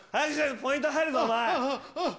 ポイント入るぞ。